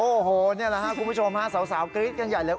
โอ้โหนี่แหละครับคุณผู้ชมฮะสาวกรี๊ดกันใหญ่เลย